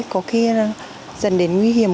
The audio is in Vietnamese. có khi dần đến nguy hiểm